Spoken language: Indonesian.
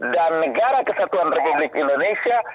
dan negara kesatuan republik indonesia